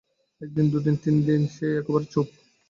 একদিন দুদিন তিনদিন যায়, সে একেবারে চুপ।